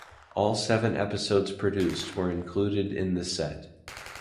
All seven episodes produced were included in the set.